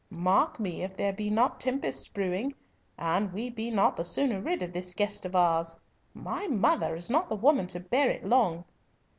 Mark me if there be not tempests brewing, an we be not the sooner rid of this guest of ours. My mother is not the woman to bear it long."